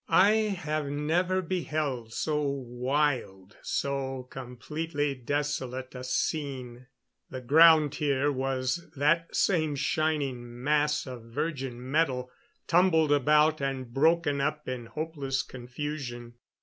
I have never beheld so wild, so completely desolate a scene. The ground here was that same shining mass of virgin metal, tumbled about and broken up in hopeless confusion.